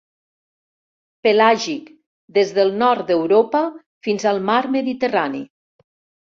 Pelàgic, des del nord d'Europa fins al mar Mediterrani.